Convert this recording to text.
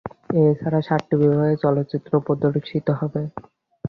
এ ছাড়া সাতটি বিভাগে চলচ্চিত্র প্রদর্শিত হবে।